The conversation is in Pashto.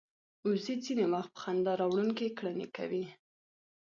وزې ځینې وخت په خندا راوړونکې کړنې کوي